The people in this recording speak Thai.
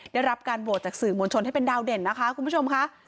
ได้รับการโหวตจากสื่อมวลชนให้เป็นดาวเด่นนะคะคุณผู้ชมค่ะ